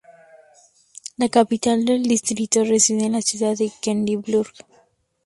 La capital del distrito reside en la ciudad de Quedlinburg.